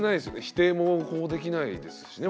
否定もこうできないですしね。